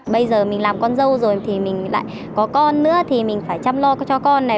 bây giờ mình làm con dâu rồi thì mình lại có con nữa thì mình phải chăm lo cho con này